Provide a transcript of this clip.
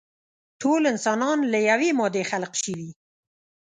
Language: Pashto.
ټول انسانان له يوې مادې خلق شوي.